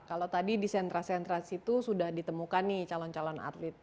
kalau tadi di sentra sentra situ sudah ditemukan nih calon calon atlet